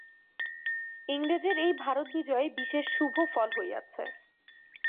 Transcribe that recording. ইংরেজের এই ভারত-বিজয়ে বিশেষ শুভ ফল হইয়াছে।